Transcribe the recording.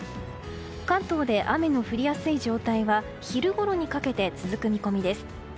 関東で雨の降りやすい状態は昼ごろにかけて続く見込みです。